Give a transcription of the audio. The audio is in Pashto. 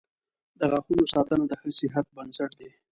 • د غاښونو ساتنه د ښه صحت بنسټ دی.